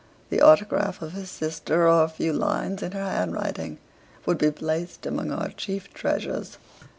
The autograph of his sister, or a few lines in her handwriting, would be placed among our chief treasures.